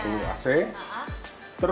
terus untuk kamar tidur